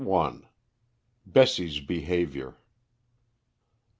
1. BESSIE'S BEHAVIOUR.